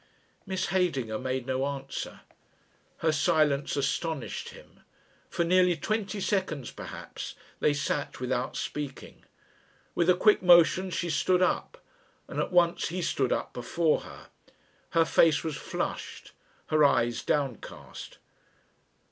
Miss Heydinger made no answer. Her silence astonished him. For nearly twenty seconds perhaps they sat without speaking. With a quick motion she stood up, and at once he stood up before her. Her face was flushed, her eyes downcast.